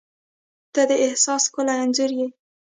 • ته د احساس ښکلی انځور یې.